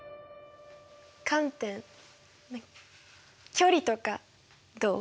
観点距離とかどう？